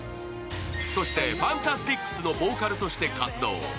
そしてＦＡＮＴＡＳＴＩＣＳのボーカルとして活動。